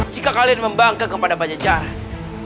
jika kalian membanggang kepada pajajaran